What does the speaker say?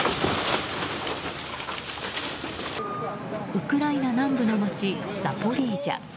ウクライナ南部の街ザポリージャ。